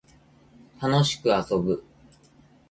楽しく遊ぶ